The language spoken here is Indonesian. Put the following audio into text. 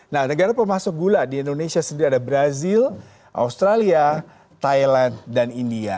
nah negara pemasok gula di indonesia sendiri ada brazil australia thailand dan india